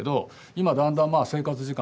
今だんだん生活時間